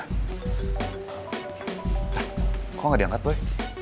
eh kok gak diangkat boy